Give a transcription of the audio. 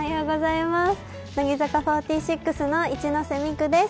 乃木坂４６の一ノ瀬美空です。